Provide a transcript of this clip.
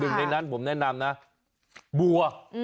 หนึ่งในนั้นผมแนะนำนะบัว